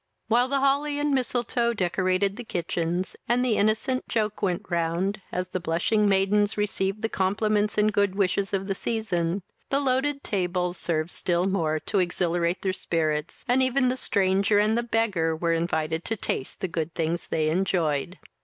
While the holly and mistletoe decorated the kitchens, and the innocent joke went round, as the blushing maidens received the compliments and good wishes of the season, the loaded tables served still more to exhilirate their spirits, and even the stranger and the beggar were invited to taste the good things they enjoyed.